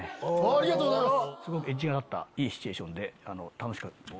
ありがとうございます。